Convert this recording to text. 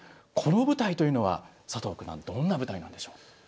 この舞台というのは佐藤九段どんな舞台なんでしょう。